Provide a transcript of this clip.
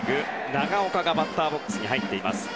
長岡がバッターボックスに入っています。